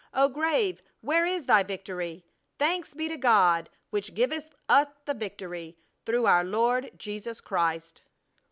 O grave, where is thy victory? Thanks be to God, which giveth us the victory through our Lord Jesus Christ!"